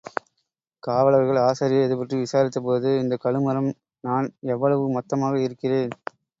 காவலர்கள் ஆசாரியை இதுபற்றி விசாரித்தபோது இந்தக் கழுமரம் நான் எவ்வளவு மொத்தமாக இருக்கிறேன்.